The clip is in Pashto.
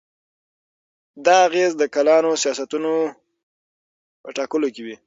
دا اغېز د کلانو سیاستونو په ټاکلو کې وي.